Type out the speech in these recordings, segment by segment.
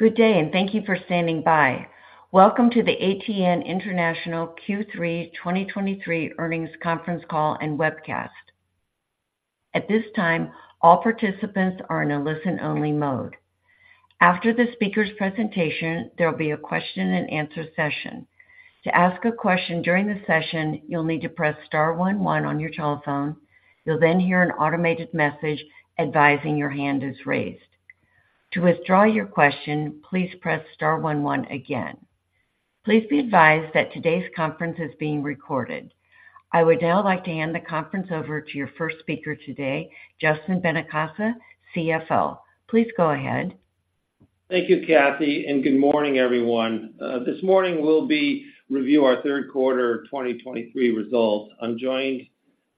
Good day, and thank you for standing by. Welcome to the ATN International Q3 2023 Earnings Conference Call and Webcast. At this time, all participants are in a listen-only mode. After the speaker's presentation, there will be a question-and-answer session. To ask a question during the session, you'll need to press star one one on your telephone. You'll then hear an automated message advising your hand is raised. To withdraw your question, please press star one one again. Please be advised that today's conference is being recorded. I would now like to hand the conference over to your first speaker today, Justin Benincasa, CFO. Please go ahead. Thank you, Kathy, and good morning, everyone. This morning we'll be review our Q3 2023 results. I'm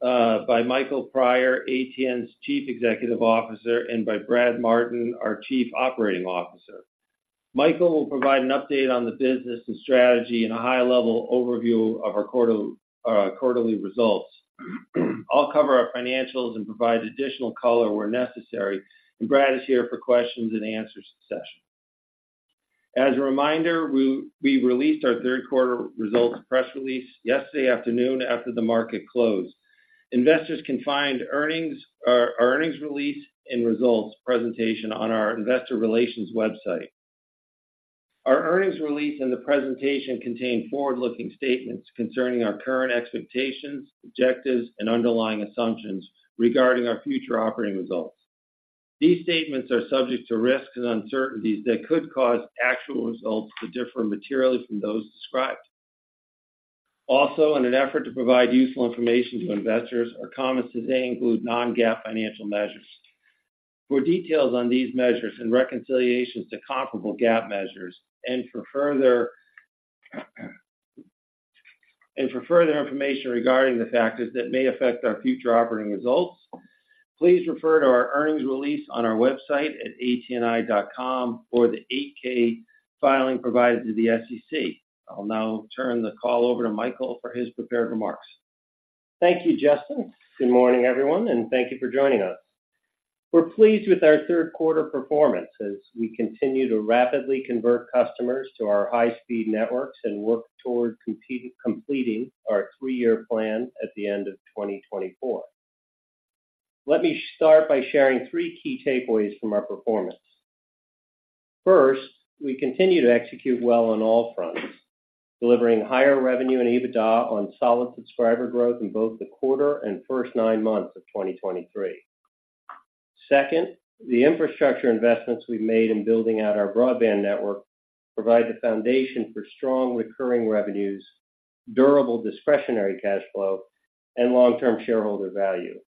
joined by Michael Prior, ATN's Chief Executive Officer, and by Brad Martin, our Chief Operating Officer. Michael will provide an update on the business and strategy and a high-level overview of our quarterly results. I'll cover our financials and provide additional color where necessary, and Brad is here for question-and-answer session. As a reminder, we released our Q3 results press release yesterday afternoon after the market closed. Investors can find our earnings release and results presentation on our investor relations website. Our earnings release and the presentation contain forward-looking statements concerning our current expectations, objectives, and underlying assumptions regarding our future operating results. These statements are subject to risks and uncertainties that could cause actual results to differ materially from those described. Also, in an effort to provide useful information to investors, our comments today include non-GAAP financial measures. For details on these measures and reconciliations to comparable GAAP measures, and for further information regarding the factors that may affect our future operating results, please refer to our earnings release on our website at atni.com or the 8-K filing provided to the SEC. I'll now turn the call over to Michael for his prepared remarks. Thank you, Justin. Good morning, everyone, and thank you for joining us. We're pleased with our Q3 performance as we continue to rapidly convert customers to our high-speed networks and work toward completing our 3-year plan at the end of 2024. Let me start by sharing 3 key takeaways from our performance. First, we continue to execute well on all fronts, delivering higher revenue and EBITDA on solid subscriber growth in both the quarter and first 9 months of 2023. Second, the infrastructure investments we've made in building out our broadband network provide the foundation for strong recurring revenues, durable discretionary cash flow, and long-term shareholder value.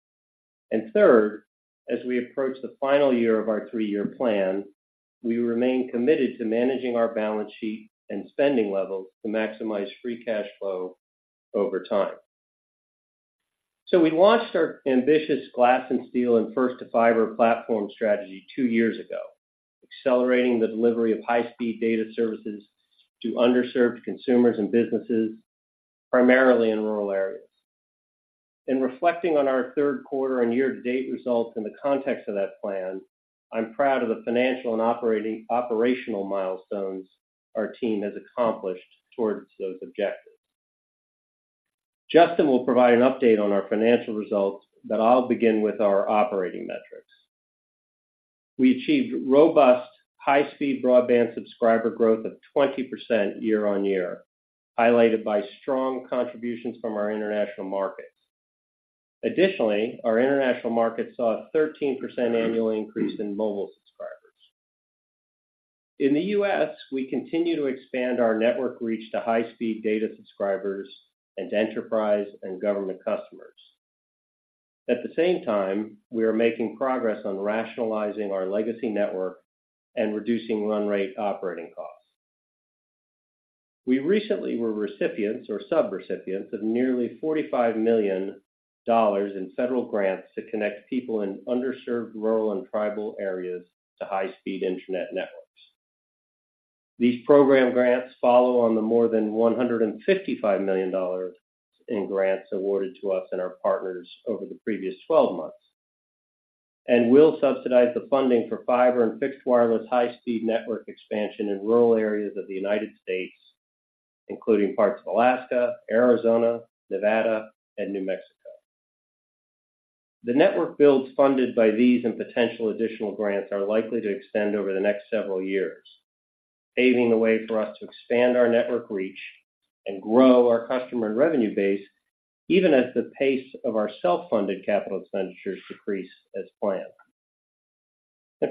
And third, as we approach the final year of our 3-year plan, we remain committed to managing our balance sheet and spending levels to maximize free cash flow over time. So we launched our ambitious Glass and Steel and First-to-Fiber platform strategy two years ago, accelerating the delivery of high-speed data services to underserved consumers and businesses, primarily in rural areas. In reflecting on our Q3 and year-to-date results in the context of that plan, I'm proud of the financial and operational milestones our team has accomplished towards those objectives. Justin will provide an update on our financial results, but I'll begin with our operating metrics. We achieved robust, high-speed broadband subscriber growth of 20% year-on-year, highlighted by strong contributions from our international markets. Additionally, our international market saw a 13% annual increase in mobile subscribers. In the U.S., we continue to expand our network reach to high-speed data subscribers and enterprise and government customers. At the same time, we are making progress on rationalizing our legacy network and reducing run rate operating costs. We recently were recipients or sub-recipients of nearly $45 million in federal grants to connect people in underserved rural and tribal areas to high-speed internet networks. These program grants follow on the more than $155 million in grants awarded to us and our partners over the previous 12 months and will subsidize the funding for fiber and fixed wireless high-speed network expansion in rural areas of the United States, including parts of Alaska, Arizona, Nevada, and New Mexico. The network builds funded by these and potential additional grants are likely to extend over the next several years, paving the way for us to expand our network reach and grow our customer and revenue base, even as the pace of our self-funded capital expenditures decrease as planned.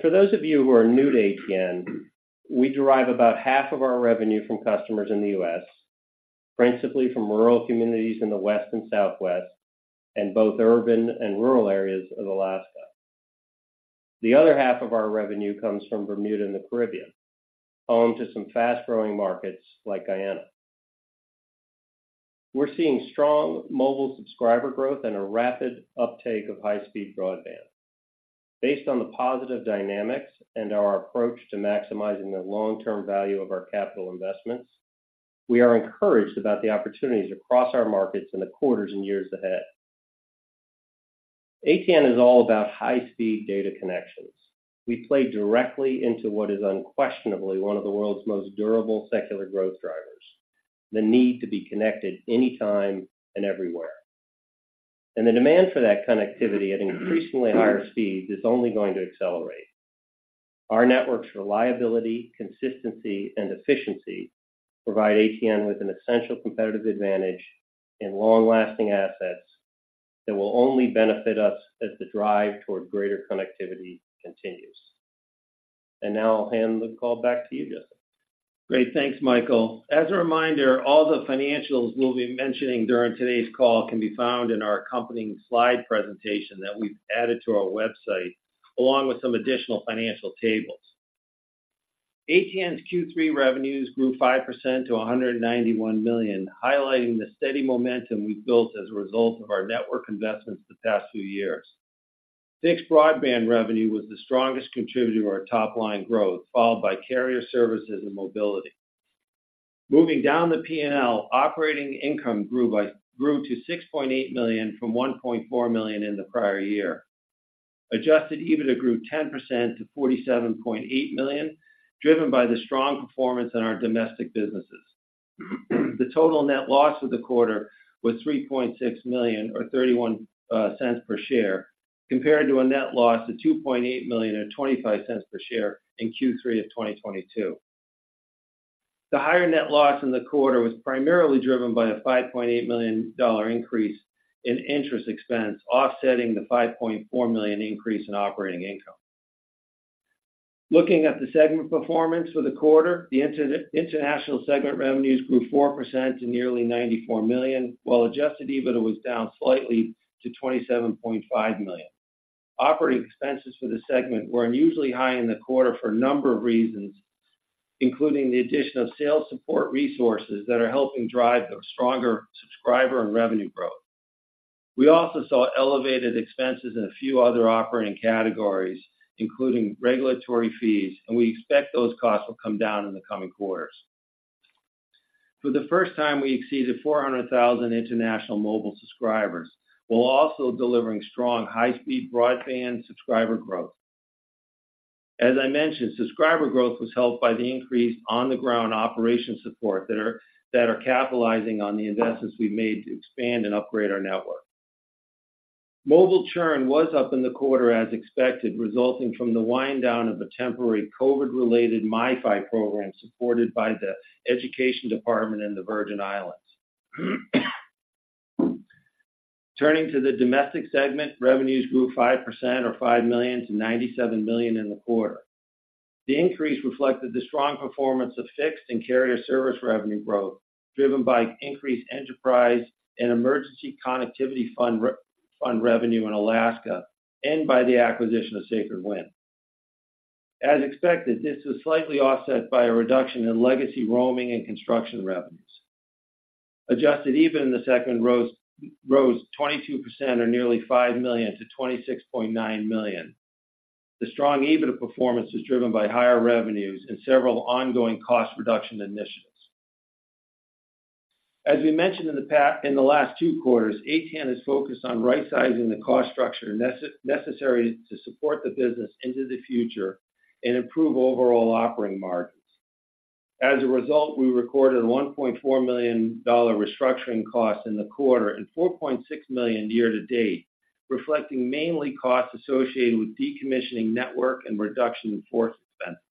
For those of you who are new to ATN, we derive about half of our revenue from customers in the U.S., principally from rural communities in the West and Southwest and both urban and rural areas of Alaska. The other half of our revenue comes from Bermuda and the Caribbean, home to some fast-growing markets like Guyana. We're seeing strong mobile subscriber growth and a rapid uptake of high-speed broadband. Based on the positive dynamics and our approach to maximizing the long-term value of our capital investments, we are encouraged about the opportunities across our markets in the quarters and years ahead. ATN is all about high-speed data connections. We play directly into what is unquestionably one of the world's most durable secular growth drivers, the need to be connected anytime and everywhere. The demand for that connectivity at increasingly higher speeds is only going to accelerate. Our network's reliability, consistency, and efficiency provide ATN with an essential competitive advantage and long-lasting assets that will only benefit us as the drive toward greater connectivity continues. Now I'll hand the call back to you, Justin. Great. Thanks, Michael. As a reminder, all the financials we'll be mentioning during today's call can be found in our accompanying slide presentation that we've added to our website, along with some additional financial tables. ATN's Q3 revenues grew 5% to $191 million, highlighting the steady momentum we've built as a result of our network investments the past few years. Fixed broadband revenue was the strongest contributor to our top-line growth, followed by carrier services and mobility. Moving down the P&L, operating income grew to $6.8 million from $1.4 million in the prior year. Adjusted EBITDA grew 10% to $47.8 million, driven by the strong performance in our domestic businesses. The total net loss for the quarter was $3.6 million or $0.31 per share, compared to a net loss of $2.8 million or $0.25 per share in Q3 of 2022. The higher net loss in the quarter was primarily driven by a $5.8 million increase in interest expense, offsetting the $5.4 million increase in operating income. Looking at the segment performance for the quarter, the international segment revenues grew 4% to nearly $94 million, while Adjusted EBITDA was down slightly to $27.5 million. Operating expenses for the segment were unusually high in the quarter for a number of reasons, including the addition of sales support resources that are helping drive the stronger subscriber and revenue growth. We also saw elevated expenses in a few other operating categories, including regulatory fees, and we expect those costs will come down in the coming quarters. For the first time, we exceeded 400,000 international mobile subscribers, while also delivering strong high-speed broadband subscriber growth. As I mentioned, subscriber growth was helped by the increased on-the-ground operation support that are capitalizing on the investments we've made to expand and upgrade our network. Mobile churn was up in the quarter as expected, resulting from the wind down of a temporary COVID-related MiFi program supported by the Education Department in the Virgin Islands. Turning to the domestic segment, revenues grew 5% or $5 million to $97 million in the quarter. The increase reflected the strong performance of fixed and carrier service revenue growth, driven by increased enterprise and Emergency Connectivity Fund revenue in Alaska and by the acquisition of Sacred Wind. As expected, this was slightly offset by a reduction in legacy roaming and construction revenues. Adjusted EBITDA in the segment rose 22% or nearly $5 million to $26.9 million. The strong EBITDA performance was driven by higher revenues and several ongoing cost reduction initiatives. As we mentioned in the past in the last two quarters, ATN is focused on right-sizing the cost structure necessary to support the business into the future and improve overall operating margins. As a result, we recorded $1.4 million restructuring costs in the quarter and $4.6 million year to date, reflecting mainly costs associated with decommissioning network and reduction in force expenses.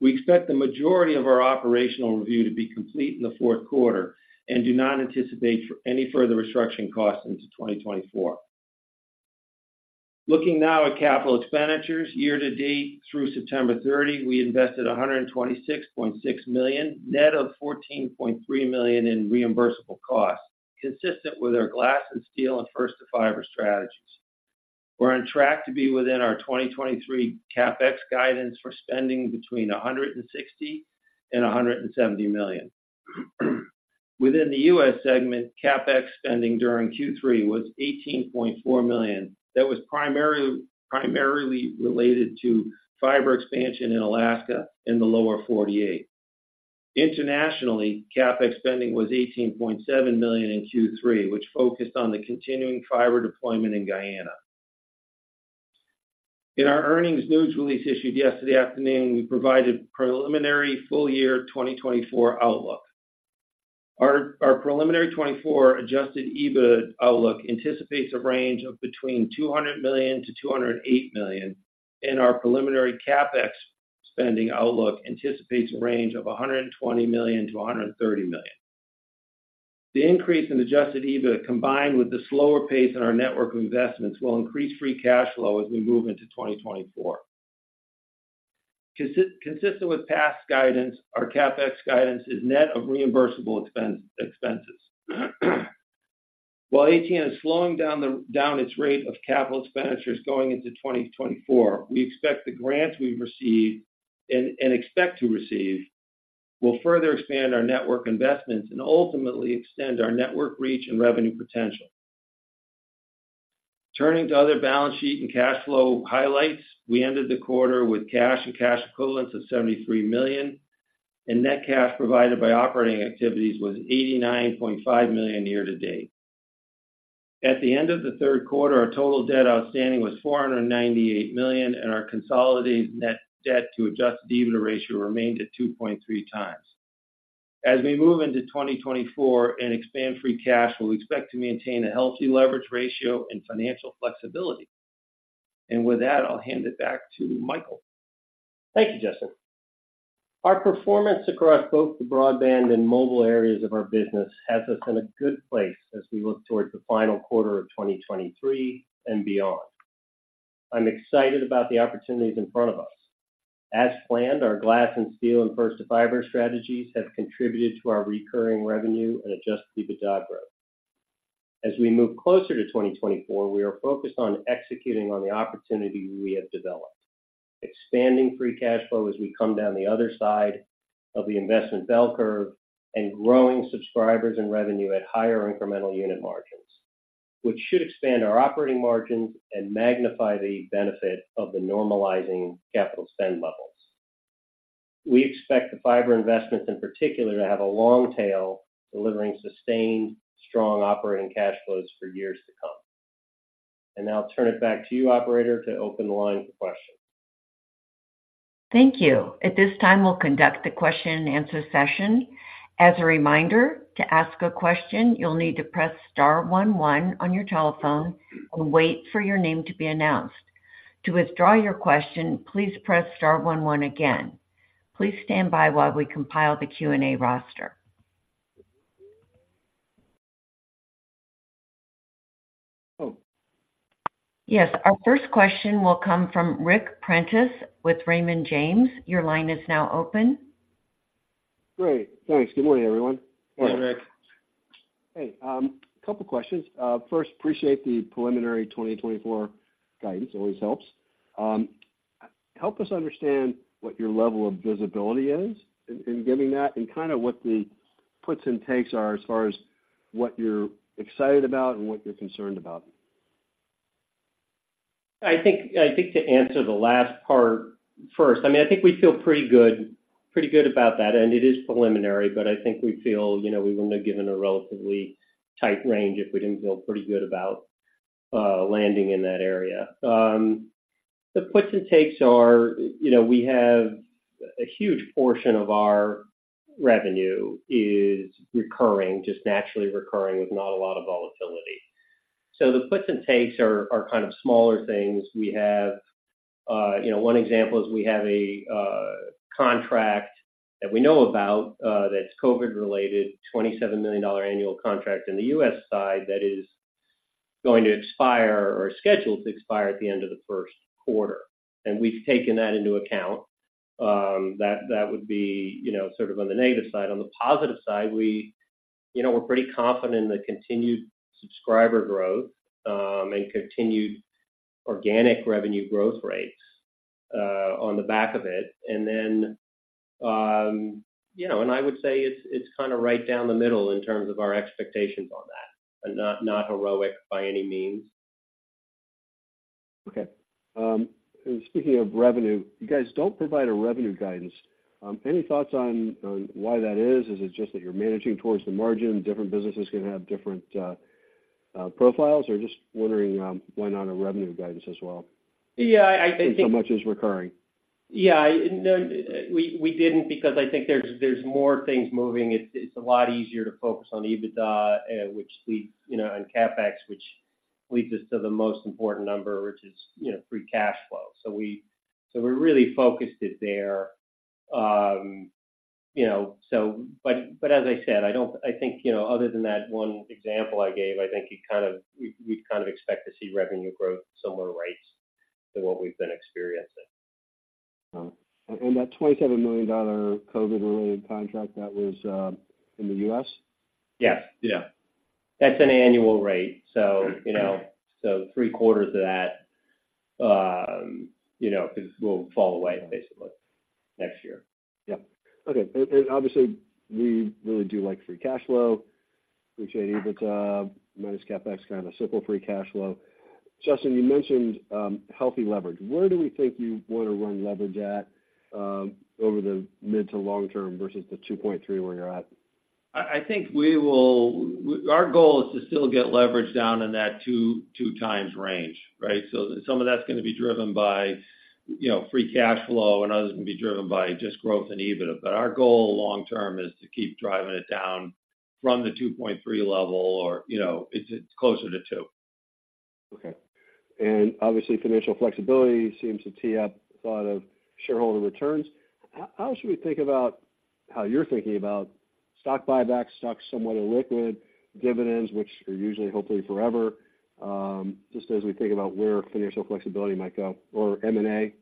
We expect the majority of our operational review to be complete in the Q4 and do not anticipate for any further restructuring costs into 2024. Looking now at capital expenditures, year to date through September 30, we invested $126.6 million, net of $14.3 million in reimbursable costs, consistent with our Glass and Steel and First-to-Fiber strategies. We're on track to be within our 2023 CapEx guidance for spending between $160 million and $170 million. Within the U.S. segment, CapEx spending during Q3 was $18.4 million. That was primarily related to fiber expansion in Alaska in the Lower 48. Internationally, CapEx spending was $18.7 million in Q3, which focused on the continuing fiber deployment in Guyana. In our earnings news release issued yesterday afternoon, we provided preliminary full year 2024 outlook. Our our preliminary 2024 Adjusted EBITDA outlook anticipates a range of between $200 million-$208 million, and our preliminary CapEx spending outlook anticipates a range of $120 million-$130 million. The increase in Adjusted EBITDA, combined with the slower pace in our network investments, will increase free cash flow as we move into 2024. Consistent with past guidance, our CapEx guidance is net of reimbursable expenses. While ATN is slowing down down its rate of capital expenditures going into 2024, we expect the grants we've received and expect to receive will further expand our network investments and ultimately extend our network reach and revenue potential. Turning to other balance sheet and cash flow highlights, we ended the quarter with cash and cash equivalents of $73 million, and net cash provided by operating activities was $89.5 million year to date. At the end of the Q3, our total debt outstanding was $498 million, and our consolidated net debt to adjusted EBITDA ratio remained at 2.3x. As we move into 2024 and expand free cash, we'll expect to maintain a healthy leverage ratio and financial flexibility. And with that, I'll hand it back to Michael. Thank you, Justin. Our performance across both the broadband and mobile areas of our business has us in a good place as we look towards the final quarter of 2023 and beyond. I'm excited about the opportunities in front of us. As planned, our Glass and Steel and First-to-Fiber strategies have contributed to our recurring revenue and Adjusted EBITDA growth. As we move closer to 2024, we are focused on executing on the opportunities we have developed, expanding free cash flow as we come down the other side of the investment bell curve, and growing subscribers and revenue at higher incremental unit margins, which should expand our operating margins and magnify the benefit of the normalizing capital spend levels. We expect the fiber investments, in particular, to have a long tail, delivering sustained strong operating cash flows for years to come. Now I'll turn it back to you, operator, to open the line for questions. Thank you. At this time, we'll conduct the question-and-answer session. As a reminder, to ask a question, you'll need to press star one one on your telephone and wait for your name to be announced. To withdraw your question, please press star one one again. Please stand by while we compile the Q&A roster. Yes, our first question will come from Ric Prentiss with Raymond James. Your line is now open. Great. Thanks. Good morning, everyone. Hey, Rick. Hey, a couple questions. First, appreciate the preliminary 2024 guidance. Always helps. Help us understand what your level of visibility is in giving that, and kind of what the puts and takes are as far as what you're excited about and what you're concerned about. I think to answer the last part first, I mean, I think we feel pretty good, pretty good about that, and it is preliminary, but I think we feel, you know, we wouldn't have given a relatively tight range if we didn't feel pretty good about landing in that area. The puts and takes are, you know, we have a huge portion of our revenue is recurring, just naturally recurring, with not a lot of volatility. So the puts and takes are kind of smaller things. We have, you know, one example is we have a contract that we know about, that's COVID-related, $27 million annual contract in the U.S. side that is going to expire or scheduled to expire at the end of the Q1, and we've taken that into account. That would be, you know, sort of on the negative side. On the positive side, we, you know, we're pretty confident in the continued subscriber growth, and continued organic revenue growth rates, on the back of it. And then, you know, and I would say it's kind of right down the middle in terms of our expectations on that, but not heroic by any means. Okay. And speaking of revenue, you guys don't provide a revenue guidance. Any thoughts on why that is? Is it just that you're managing towards the margin, different businesses can have different profiles? Or just wondering why not a revenue guidance as well- Yeah, I think- Since so much is recurring. Yeah. No, we, we didn't because I think there's, there's more things moving. It's, it's a lot easier to focus on EBITDA, which leads, you know, on CapEx, which leads us to the most important number, which is, you know, free cash flow. So we-- so we really focused it there. You know, so-- but, but as I said, I don't-- I think, you know, other than that one example I gave, I think you kind of-- we, we kind of expect to see revenue growth similar rates to what we've been experiencing. that $27 million COVID-related contract, that was in the U.S.? Yes. Yeah. That's an annual rate. So, you know- Okay So three-quarters of that, you know, will fall away basically next year. Yeah. Okay. And obviously, we really do like free cash flow, which EBITDA minus CapEx, kind of a simple free cash flow. Justin, you mentioned healthy leverage. Where do we think you want to run leverage at over the mid to long term versus the 2.3 where you're at? I think our goal is to still get leverage down in that 2-2 times range, right? So some of that's going to be driven by, you know, free cash flow, and others can be driven by just growth and EBITDA. But our goal long term is to keep driving it down from the 2.3 level or, you know, it's closer to 2. Okay. And obviously, financial flexibility seems to tee up a lot of shareholder returns. How should we think about how you're thinking about stock buybacks, stocks, somewhat illiquid dividends, which are usually, hopefully forever, just as we think about where financial flexibility might go, or M&A?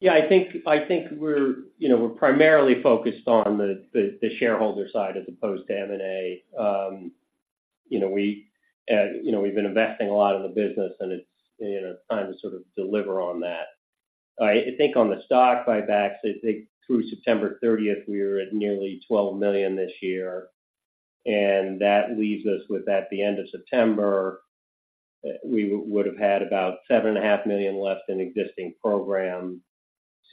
Yeah, I think, I think we're, you know, we're primarily focused on the, the, the shareholder side as opposed to M&A. You know, we, you know, we've been investing a lot in the business, and it's, you know, time to sort of deliver on that. I think on the stock buybacks, I think through September 30th, we were at nearly $12 million this year, and that leaves us with, at the end of September, we would have had about $7.5 million left in existing program.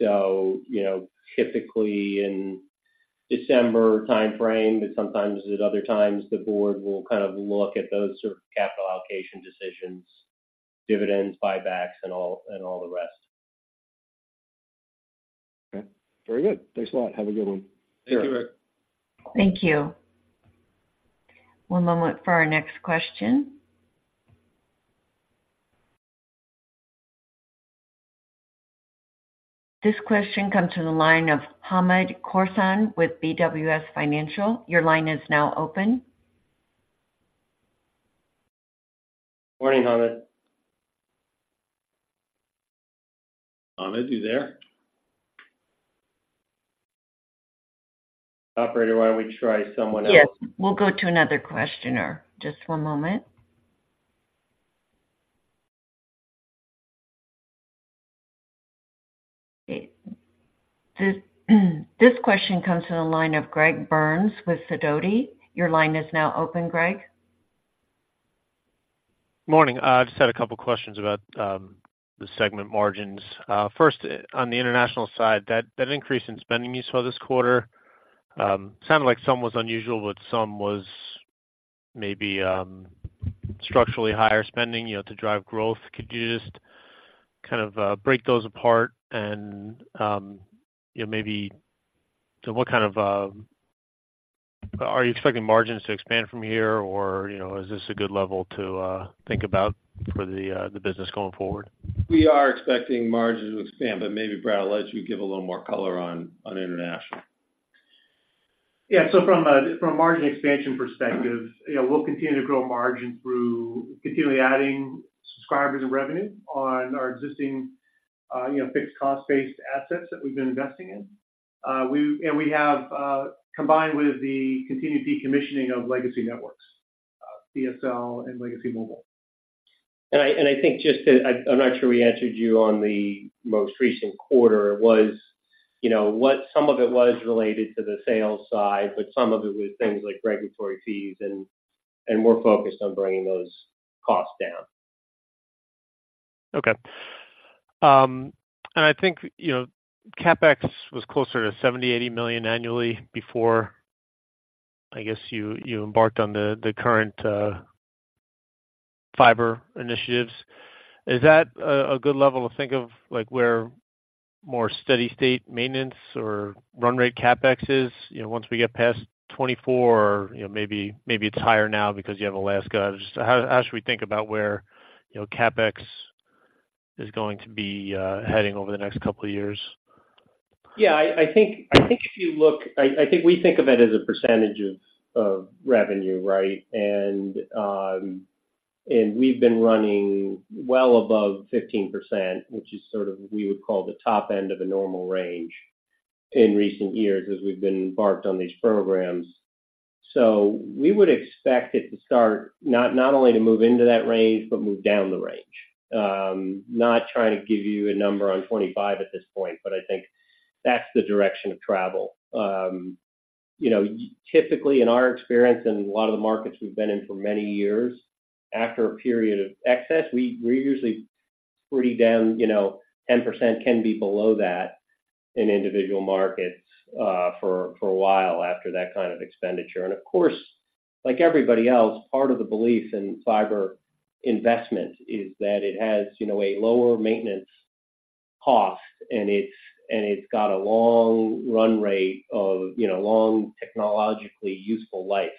So, you know, typically in December time frame, but sometimes at other times, the board will kind of look at those sort of capital allocation decisions, dividends, buybacks, and all, and all the rest. Okay, very good. Thanks a lot. Have a good one. Thank you, Rick. Thank you. One moment for our next question. This question comes from the line of Hamed Khorsand with BWS Financial. Your line is now open. Morning, Hamed. Hamed, you there? Operator, why don't we try someone else? Yes, we'll go to another questioner. Just one moment. This question comes from the line of Greg Burns with Sidoti. Your line is now open, Greg. Morning. I just had a couple questions about the segment margins. First, on the international side, that increase in spending you saw this quarter sounded like some was unusual, but some was maybe structurally higher spending, you know, to drive growth. Could you just kind of break those apart and, you know, maybe to what kind of... Are you expecting margins to expand from here, or, you know, is this a good level to think about for the the business going forward? We are expecting margins to expand, but maybe, Brad, I'll let you give a little more color on international. Yeah, so from a margin expansion perspective, you know, we'll continue to grow margin through continually adding subscribers and revenue on our existing, you know, fixed cost-based assets that we've been investing in. And we have combined with the continued decommissioning of legacy networks, DSL and legacy mobile. I think just to, I'm not sure we answered you on the most recent quarter, was, you know, what some of it was related to the sales side, but some of it was things like regulatory fees, and we're focused on bringing those costs down. Okay. And I think, you know, CapEx was closer to $70-$80 million annually before, I guess, you, you embarked on the, the current, fiber initiatives. Is that a, a good level to think of, like, where more steady state maintenance or run rate CapEx is? You know, once we get past 2024, you know, maybe, maybe it's higher now because you have Alaska. Just how, how should we think about where, you know, CapEx is going to be, heading over the next couple of years? Yeah, I think if you look—I think we think of it as a percentage of revenue, right? And we've been running well above 15%, which is sort of we would call the top end of a normal range in recent years as we've been embarked on these programs. So we would expect it to start not only to move into that range, but move down the range. Not trying to give you a number on 25 at this point, but I think that's the direction of travel. You know, typically, in our experience and a lot of the markets we've been in for many years, after a period of excess, we're usually pretty down, you know, 10%, can be below that in individual markets, for a while after that kind of expenditure. Of course, like everybody else, part of the belief in fiber investment is that it has, you know, a lower maintenance cost, and it's got a long run rate of, you know, long technologically useful life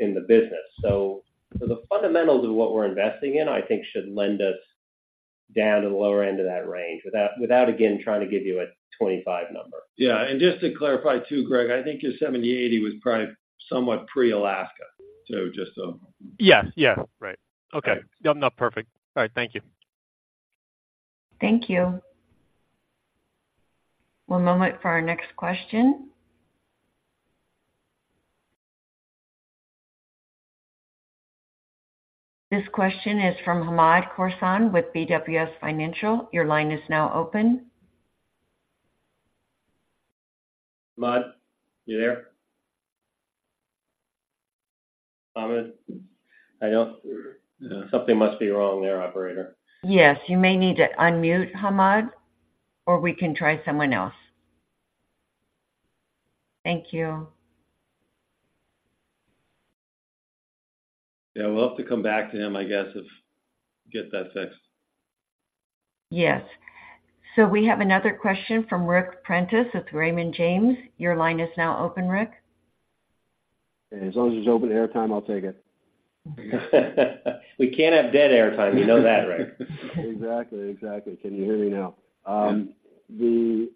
in the business. So the fundamentals of what we're investing in, I think, should lend us down to the lower end of that range, without again, trying to give you a 25 number. Yeah, and just to clarify, too, Greg, I think your 70-80 was probably somewhat pre-Alaska. So just, Yes, yes, right. Okay. No, no, perfect. All right. Thank you. Thank you. One moment for our next question. This question is from Hamed Khorsand with BWS Financial. Your line is now open. Hamed, you there? Hamed, I don't... Something must be wrong there, operator. Yes, you may need to unmute, Hamed, or we can try someone else. Thank you. Yeah, we'll have to come back to him, I guess, if we get that fixed. Yes. So we have another question from Ric Prentiss with Raymond James. Your line is now open, Rick. As long as there's open airtime, I'll take it. We can't have dead airtime. You know that, right? Exactly. Exactly. Can you hear me now? Yeah. The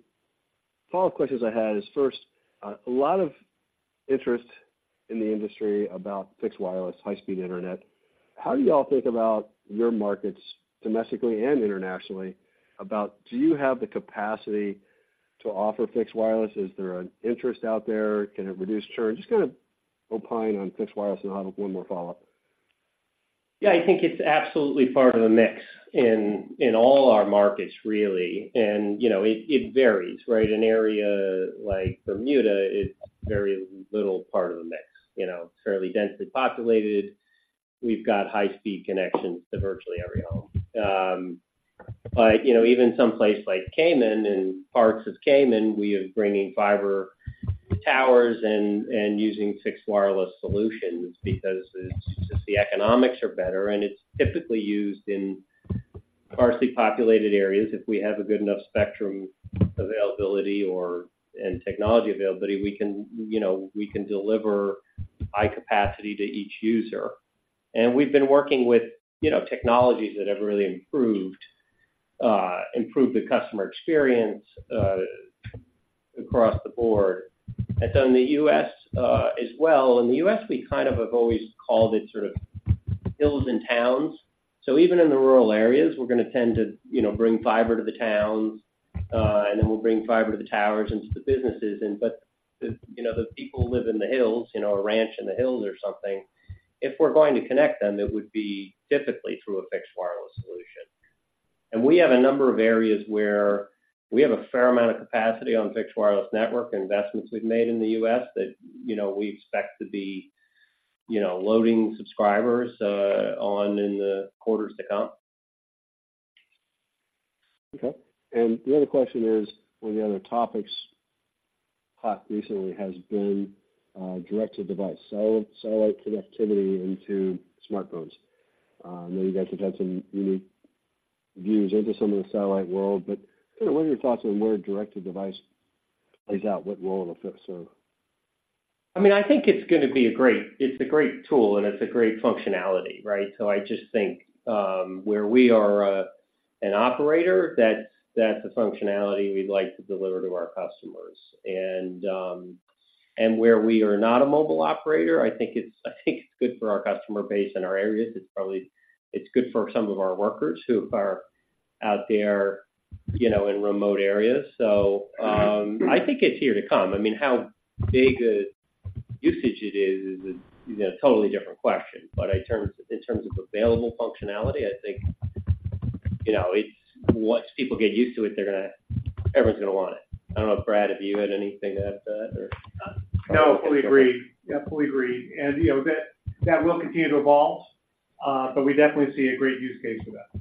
follow-up questions I had is, first, a lot of interest in the industry about fixed wireless, high-speed internet. How do you all think about your markets, domestically and internationally, about do you have the capacity to offer fixed wireless? Is there an interest out there? Can it reduce churn? Just kinda opine on fixed wireless, and I'll have one more follow-up. Yeah, I think it's absolutely part of the mix in all our markets, really. You know, it varies, right? An area like Bermuda is very little part of the mix. You know, it's fairly densely populated. We've got high-speed connections to virtually every home. Even someplace like Cayman, in parts of Cayman, we are bringing fiber towers and using fixed wireless solutions because the economics are better, and it's typically used in sparsely populated areas. If we have a good enough spectrum availability or technology availability, we can, you know, we can deliver high capacity to each user. We've been working with technologies that have really improved, you know, improved the customer experience across the board. In the U.S., as well, in the U.S., we kind of have always called it sort of hills and towns. So even in the rural areas, we're gonna tend to, you know, bring fiber to the towns, and then we'll bring fiber to the towers and to the businesses. The, you know, the people who live in the hills, you know, a ranch in the hills or something, if we're going to connect them, it would be typically through a fixed wireless solution. And we have a number of areas where we have a fair amount of capacity on fixed wireless network and investments we've made in the U.S. that, you know, we expect to be, you know, loading subscribers on in the quarters to come. Okay. The other question is, one of the other topics hot recently has been, direct-to-device, satellite, satellite connectivity into smartphones. I know you guys have had some unique views into some of the satellite world, but, you know, what are your thoughts on where direct-to-device plays out? What role it'll fit, so... I mean, I think it's gonna be a great—it's a great tool, and it's a great functionality, right? So I just think, where we are an operator, that's a functionality we'd like to deliver to our customers. And, and where we are not a mobile operator, I think it's, I think it's good for our customer base and our areas. It's probably—it's good for some of our workers who are out there, you know, in remote areas. So, I think it's here to come. I mean, how big a usage it is is a, you know, totally different question. But in terms, in terms of available functionality, I think, you know, it's—once people get used to it, they're gonna... Everyone's gonna want it. I don't know if, Brad, if you had anything to add to that or? No, fully agree. Yeah, fully agree. And, you know, that, that will continue to evolve, but we definitely see a great use case for that.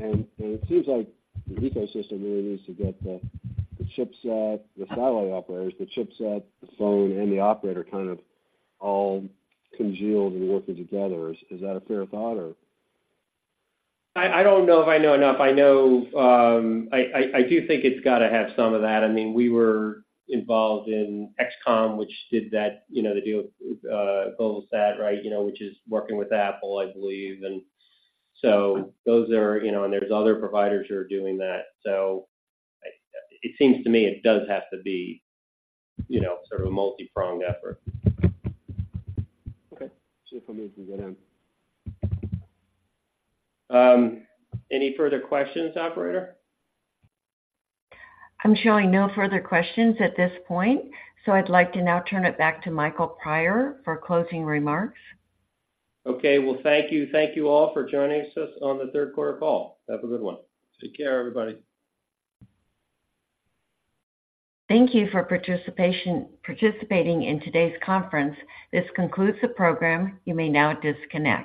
It seems like the ecosystem really needs to get the chipset, the satellite operators, the chipset, the phone, and the operator kind of all congealed and working together. Is that a fair thought, or? I don't know if I know enough. I know, I do think it's gotta have some of that. I mean, we were involved in XCOM, which did that, you know, the deal, Globalstar, right, you know, which is working with Apple, I believe. And so those are, you know, and there's other providers who are doing that. So it seems to me it does have to be, you know, sort of a multipronged effort. Okay. See if I can get in. Any further questions, operator? I'm showing no further questions at this point, so I'd like to now turn it back to Michael Prior for closing remarks. Okay. Well, thank you. Thank you all for joining us on the Q3 call. Have a good one. Take care, everybody. Thank you for participating in today's conference. This concludes the program. You may now disconnect.